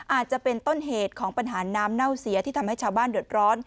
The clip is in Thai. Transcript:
อาจจะเป็นต้นเหตุของปัญหาน้ำเน่าเสียที่ทำให้ชาวบ้านเดือดร้อน